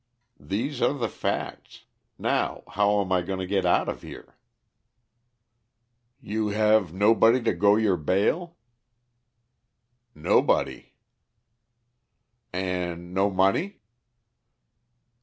These are the facts. Now how am I to get out of here?" "You have nobody to go your bail?" "Nobody." "And no money?"